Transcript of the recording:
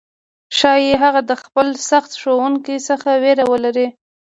ښايي هغه د خپل سخت ښوونکي څخه ویره ولري،